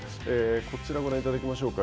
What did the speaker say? こちらご覧いただきましょうか。